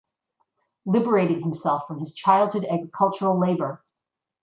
Liberating himself from his childhood agricultural labor.